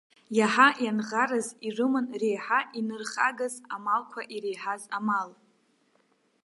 Иаҳа ианӷарыз, ирыман реиҳа инырхагаз, амалқәа иреиҳаз амал.